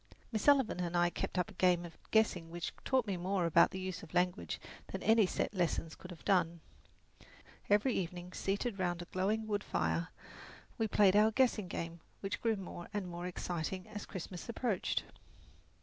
Miss Sullivan and I kept up a game of guessing which taught me more about the use of language than any set lessons could have done. Every evening, seated round a glowing wood fire, we played our guessing game, which grew more and more exciting as Christmas approached.